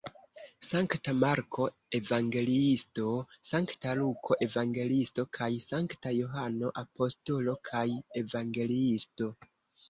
Sankta Marko evangeliisto, Sankta Luko evangeliisto kaj Sankta Johano apostolo kaj evangeliisto.